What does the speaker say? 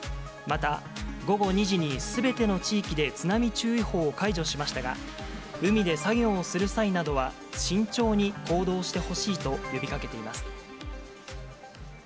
また、午後２時にすべての地域で津波注意報を解除しましたが、海で作業をする際などは、慎重に行動してほしいと呼びかけています。